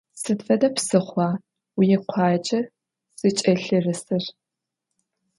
Sıd fede psıxhua vuikhuace zıç'elhırısır?